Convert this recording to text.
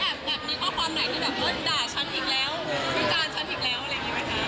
แอบแบบนี้ก็ความหน่อยที่แบบเฮ้ยด่าฉันอีกแล้วด่าฉันอีกแล้วอะไรอย่างนี้ไหมคะ